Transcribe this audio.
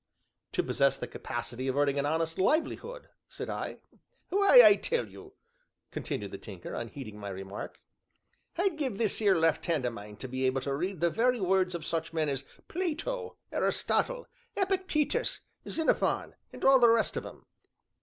"To possess the capacity of earning an honest livelihood," said I. "Why, I tell you," continued the Tinker, unheeding my remark, "I'd give this here left hand o' mine to be able to read the very words of such men as Plato, Aristotle, Epictetus, Xenophon, and all the rest of 'em."